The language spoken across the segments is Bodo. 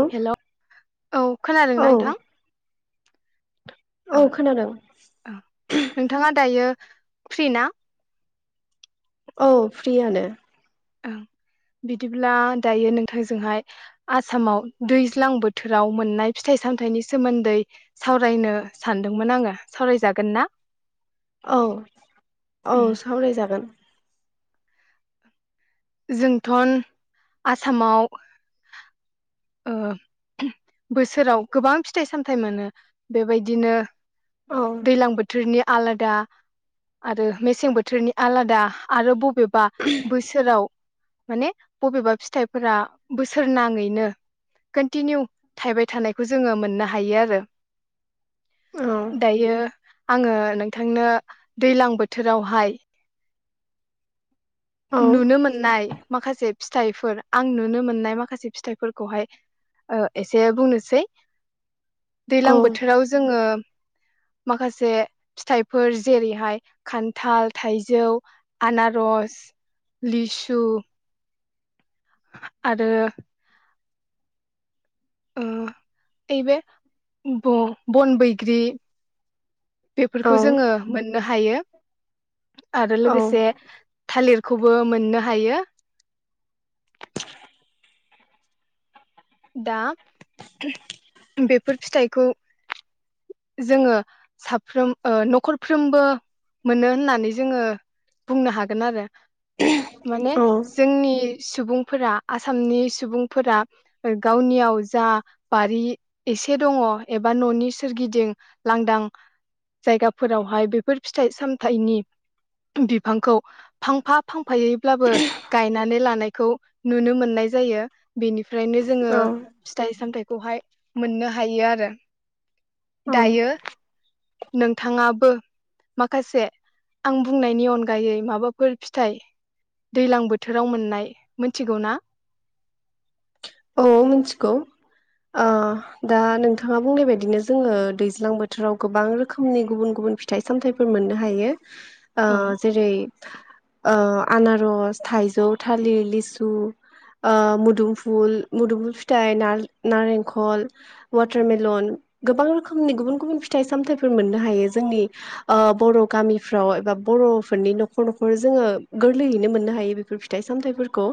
औ हेल' औ खोनादोंना नोंथां? औ खोनादों [unintelligible] नोंथाङा दायो फ्रिना? औ फ्रियानो। ओं बिदिब्ला दायो नोंथांजोंहाय आसामाव दैज्लां बोथोराव मोननाय फिथाइ सामथाइनि सोमोन्दै सावरायनो सानदोंमोन आङो सावरायजागोन ना? औ उम औ सावरायजागोन। जोंथ' आसामाव ओ बोसोराव गोबां फिथाइ सामथाइ मोनो बेबायदिनो औ दैलां बोथोरनि आलादा आरो मेसें बोथोरनि आलादा आरो ब बेबा बोसोराव माने बबेबा फिथाइफोरा बोसोर नाङैनो कन्टिनिउ थायबाय थानायखौ जोङो मोननो हायो आरो। औ दायो आङो नोंथांनो दैलां बोथोरावहाय। औ नुनो मोननाय माखासे। फिथाइफोर आं नुनो मोननाय माखासे फिथाइफोरखौहाय ओ एसे बुंनोसै। औ दैलां बोथोराव जोङो माखासे फिथाइफोर जेरैहाय खान्थाल, थाइजौ, आनारस लिसु आरो उम ओयबे ब-बन बैग्रि औ बेफोरखौ जोङो मोननो हायो आरो औ लोगोसे थालिर खौबो मोननो हायो। दा बेफोर फिथाइखौ जोङो साफ्रोम ओ न'खरफ्रोमबो मोनो होननानै जोङो बुंनो हागोन आरो। माने औ जोंनि सुबुंफोरा आसामनि सुबुंफोरा गावनियाव जा बारि एसे दङ एबा न'नि सोरगिदि लांदां जायगाफोरावहाय बेफोर फिथाइ सामथनि बिफांखौ फांफा फां फायोब्लाबो गायनानै लानायखौ नुनो मोननाय जायो बेनि फ्रायनो जोङो फिथाइ सामथाय खौहाय मोननो हायो आरो। औ दायो नोंथाङाबो माखासे आं बुंनायनि अनगायै माबाफोर फिथाइ दैलां बोथोराव मोननाय मोनथिगौ ना? औ मिथिगौ ओ दा नोंथाङा बुंनाय बायदिनो जोङो दैज्लां बोथोराव गोबां रोखोमनि गुबुन गुबुन फिथाइ सामथायाइफोर मोननो हायो। ओ औ जेरै - ओ आनारस थाइजौ थालिर लिसु ओ मुदुमुफ फुल मुदुमुफुल फिथाइ ना-नारेंखल वाटारमेलन गोबां रोखोमनि गुबुन गुबुन फिथाइ सामथाइफोर मोननो हायो जोंनि ओ बर' गामिफ्राव एबा बर'फोरनि न'खर न'खर जोङो गोरलैयैनो मोननो हायो बेफोर फिथाइ सामथायाइफोरखौ।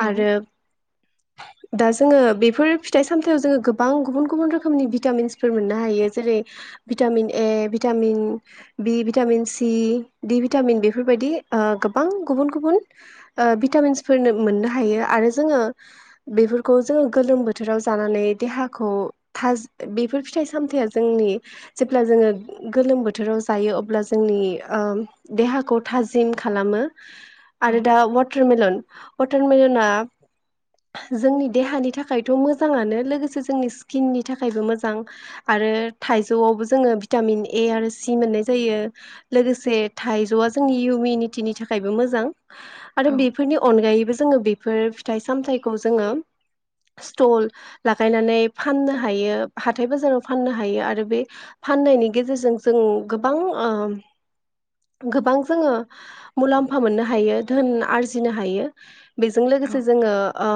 औ आरो दा जोङो बेफोर फिथाइ सामथायाव जोङो गोबां गुबुन गुबुन रोखोमनि भिटामिन्सफोर मोननो हायो जेरै vitamin A vitamin B vitamin C D vitamin बेफोरबायदि ओ गोबां गुबुन गुबुन ओ भिटामिन्सफोरनो मोननो हायो। आरो जोङो बेफोरखौ जोङो गोलोम बोथोराव जानानै देहाखौ धाजि बेफोर फिथाइ सामथायाइया जोंनि जेब्ला जोङो गोलोम बोथोराव जायो अब्ला जोंनि ओम देहाखौ थाजिम खालामो। औ आरो दा वाटारमेलन अथारमेलना जोंनि देहानि थाखायथ' मोजाङानो लोगोसे जोंनि स्किननि थाखायबो मोजां आरो थाइजौआवबो जोङो भिटामिन ए आरो सि मोननाय जायो लोगोसे थाइजौआ जोंनि इउमिनिटिनि थाखायबो मोजां। आरो औ बेफोरनि अनगायैबो जोङो बे फोर फिथाइ सामथायाइ त' जोङो सत्ल लागायनानै फाननो हायो हाथाय बाजाराव फाननो हायो आरो बे फाननायनि गेजेरजों जों गोबां ओम गोबां जोङो मुलाम्फा मोननो हायो धोन आरजिनो हायो। बेजों औ लोगोसे जोङो ओ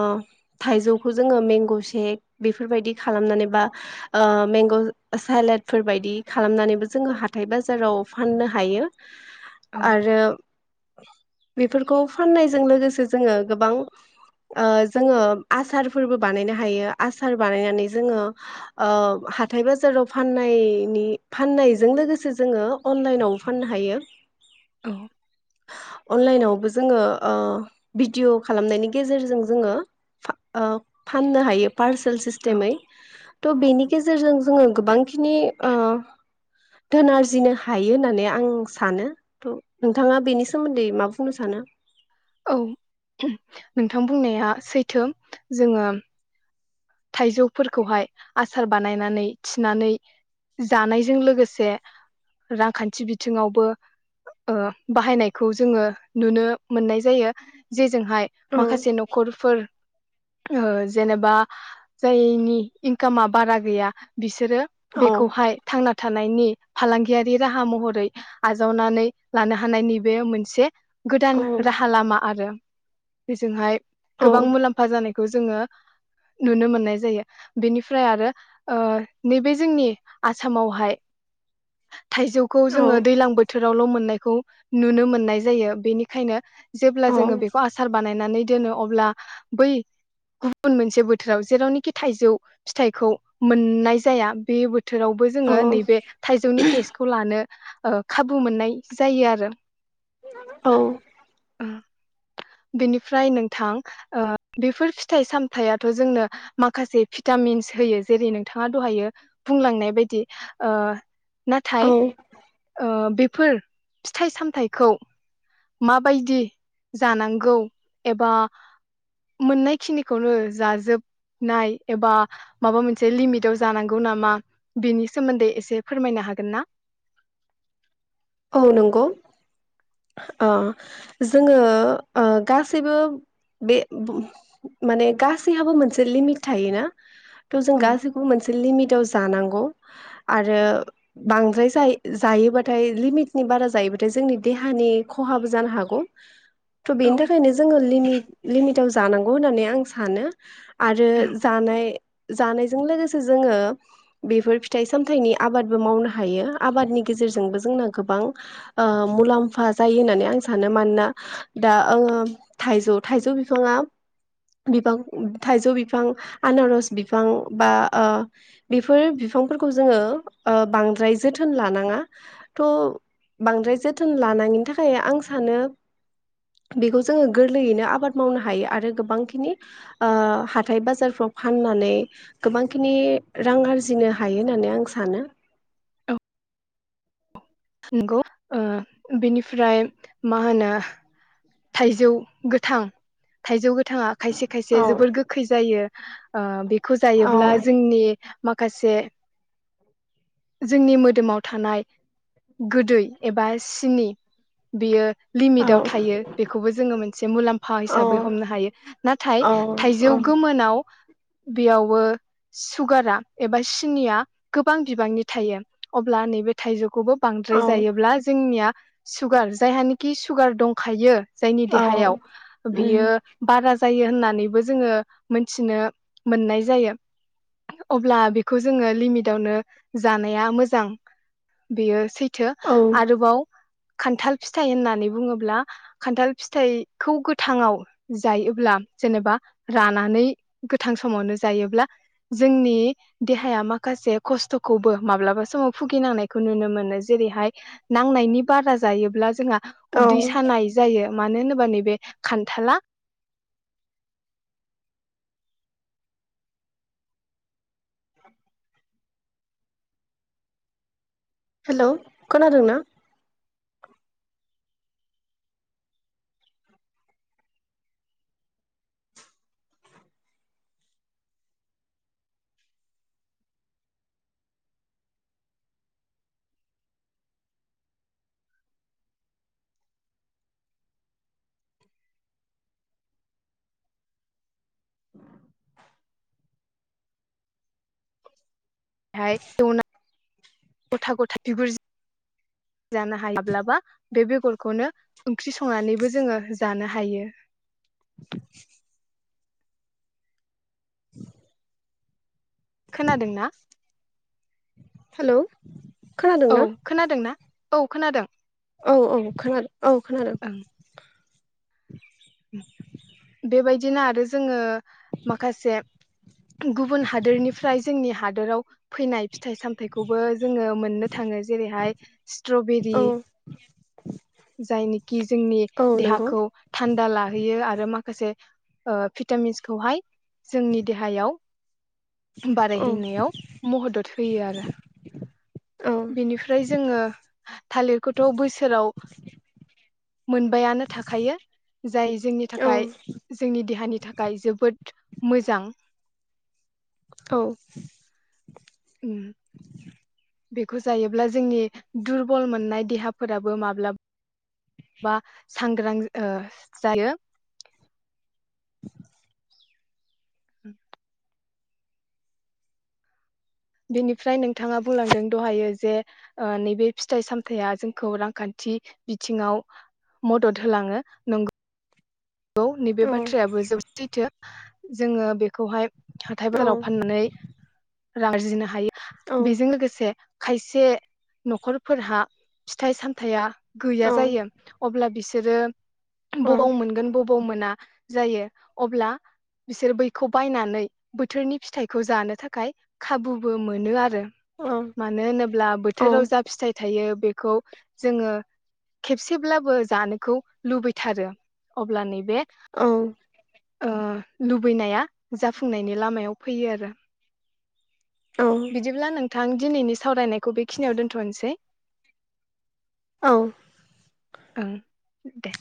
थाइजौखौ जोङो मेंग' सेक बेफोरबायदि खालामनानै बा ओ मेंग' सलाेडफोरबायायदि खालामनानैबो जोङो हाथाइ बाजाराव फाननो हायो। औ आरो बेफोरखौ फाननायजों लोगोसे जोङो गोबां ओ जोङो आसारफोरबो बानायनो हायो आसार बानायनानै जोङो ओ हाथाइ बाजाराव फाननायनि फाननायजों लोगोसे जोङो अनलाइनावबो फाननो हायो। औ अनलाइनावबो जोङो ओ भिडिय खालामनायनि गेजेरजों जोङो फा ओ फाननो हायोब पालसेल औ सिस्टेमै त बेनि गेजेरजों जोङो गोबांखिनि ओ धोन आरजिनो हायो होननानै आं सानो थ नोंथाङा बेनि सोमोन्दै मा बुंनो सानो? औ नोंथां बुंनाया सैथो जोङो थाइजौफोरखौहाय आसार बानायनानै थिनानै जानायजों लोगोसे रांखान्थि बिथिङावबो ओ बाहायनायखौ जोङो नुनो मोननाय जायो जे जोंहाय औ माखासे न'खरफोर ओ जेनेबा जायनि इनकामा बारा गैया बिसो सोरो औ बेखौहाय थांना था थानायनि फालांगियारि राहा महरै आजावनानै लानो हानायनि बे मोनसे औ गोदान राहा लामा आरो बेजोंहाय औ गोबां मुलाम्फा जानायखौ जोङो नुनो मोननाय जायो बेनिफ्राय आरो ओ नैबे जोंनि आसामावहाय थाइजौखौ औ जोङो दैलां बोथोरावल मोननायखौ नुनो मोननाय जायो बेनिखायनो जेब्ला जोङो बेखौ आसार बानायनानै दोनो अब्ला बै गुबुन मोन से बोथोराव जेरावनोखि थाइजौ फिथाइखौ मोननाय जाया बे बोथ थोरावबो औ जोङो नैबे थाइजौनि टेस्टखौ लानो ओ खाबु मोननाय जायो आरो औ बेनिफ्राय नोंथां ओ बेफोर फिथाइ सामथायाथ जोंनो माखासे भिटामिन्स होयो जेरै नोंथाङा दहायो बुंलांनाय बायदि ओ औ नाथाय ओ बेफ फोर फिथाइ सामथाइखौ माबायदि जानांगौ एबा मोननाय खिनिखौनो जाजोबनाय एबा माबा मोनसे लिमिटाव जानांगौ नामा बेनि सोमोन्दै एसे फोरमायनो हागोन ना? औ नंगौ ओ जोङो ओ गासैबो बे माने गासैहाबो मोनसे लिमिट थायोना? थ जों औ गासैखौबो मोनसे लिमिदाव जानांगौ आरो बांद्राय जाय जायोबाथाय लिमिटनि बारा जायोबाथाय जोंनि देहानि खहाबो जानो हागौ। थ औ बेनि थाखायनो जोङो लिमिट लिमिट टाव जानांगौ होननानै आं सानो। आरो जानाय जानायजों लोगोसे जोङो बेफोर फिथाइ सामथाइनि आबादबो मावनो हायो आबादनि गेजेरजोंबो जोंना गोबां ओ मुलाम्फा जायो होननानै आं सानो मानोना दा ओ थाइजौ थाइजौ बिफाङा बिफां थाइजौ बिफां आनारस बिफां बा ओ बेफोर बिफांफोरखौ जोङो ओ बांद्राय जोथोन लानाङा। थ' बांद्राय जोथोन लानायनि थाखाय आं सानो बेखौ जोङो गोरलैयैनो आबाद मावनो हायो आरो गोबांखिनि ओ हाथाय बाजारफ्राव फाननानै गोबां खिनि रां आरजिनो हायो होननानै आं सानो। नंगौ ओ बेनिफ्राय मा होनो थाइजौ गोथां थाइजौ गोथ गोथाङा खायसे औ खायसे जोबोर गोखै जायो। ओ बेग खौ औ जायोब्ला जोंनि माखासे जोंनि मोदोमाव थानाय। गोदै एबा सिनि बेयो। औ लिमिटआव थायो बेखौबो जोंङो मोनसे मुलाम्फा औ हिसाबै हमनो हायो नाथाय औ थाइजौ गोमोनाव बेयावबो सुगारा एबा सिनिया गोबां बिबांनि थायो अब्ला नैबे थाइजौ खौबो बांद्राय औ जायोब्ला जोंनिया। सुगार जायहानिखि सुगार दंखायो। जायनि औ देहायाव उम बियो बारा जायो होननानैबो जोंङो मोनथि मोननाय जायो। अब्ला बेखौ जोङो लिमिटावनो जानाया मोजां। बेयोसैथ थो औ आरोबाव खान्थाल फिथाइ होननानै बुङोब्ला खान्थाल फिथाइखौ गोथाङाव जायोब्ला जेनेबा जानानै गोथां समावनो जायोब्ला जोंनि देहाया माखासे खस्थ'खौबो माब्लाबा समाव भुगिनांनाय खौ नुनो मोनो जेरैहाय नांनायनि बारा जायोब्ला जोंहा। औ उदै सानाय जायो। मानो होनोबा नैबे खान्थाला [inaudible] हेलै' खोनादोंना? हाय दौवना गथा गथा बिगुर जाना हायाब्लाबा बे बेगरखौनो ओंख्रि संनानैबो जोंङो जानो हायो। खोनादोंना? हेलै औ खोनादोंना? औ खोनादों। औ औ खोना औ ओं खोनादों। [unintelligible] बेबायदिनो आरो जोंङो माखासे गुबुन हादोरनिफ्राय जोंनि हादोराव फैनाय फिथाइ सामथाइखौबो जोंङो मोननो थाङो जेरैहाय स्ट्रबेरि औ जायनिखि जोंनि औ नंगौ देहाखौ गाहोयो आरो माखासे ओ भिटामिनस खौहाय जोंनि देहायाव। औ बारायहैनायाव महदद होयो आरो। औ बिनिफ्राय जोंङो थालिरखौथ' बोसोराव। मोनबायानो थाखायो जाय जोंनि औ थाखाय जोंनि देहानि थाखाय जोबोद। मोजां। औ। उम। बेखौ जायोब्ला जोंनि दुरबल मोननाय देहाफोराबो माब्ला बा सांग्रां ओ जायो। [inaudible] [inaudible] बेनिफ्राय नोंथाङा बुलांदों दहायो जे ओ नैबे फिथाइ सामथाया जोंखौ रांखान्थि बिथिङाव मदद होलाङै नंगौ औ नैबे बाथ्रायाबो जोबोद सैथो। जोङो बेखौहाय। हाथाय औ बाजाराव फाननानै। रां आरजिनो हायो। बेजों लोगोसे। खायसे नखरफोरहा फिथाइ सामथाया। गैया जायो अब्ला बिसो सोरो। बबाव मोनगोन ब बौ मोना जायो अब्ला बिसोर बैखौ बायनानै बोथोरनि फिथाइखौ जानो थाखाय खाबुबो मोनो आरो। मानो होनोब्ला बोथोराव जा फिथाइ थायो बे खौ जोङो खेबसेब्लाबो जानोखौ लुबैथारो अब्ला नै। ओं। ओ लुबैनाया जाफुंनायनि लामायाव फैयो आरो। बिदिब्ला नों थां दिनैनि सावरायनाय। खौ बेखिनियाव दोनथनोसै। औ। ओ। दे।